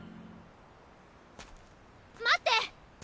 待って。